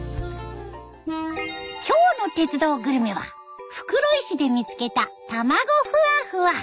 今日の「鉄道グルメ」は袋井市で見つけたたまごふわふわ。